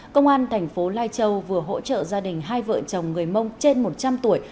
công an thành phố lai châu vừa hỗ trợ gia đình hai vợ chồng người mông trên một trăm linh tuổi